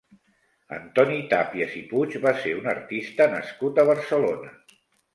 Antoni Tàpies i Puig va ser un artista nascut a Barcelona.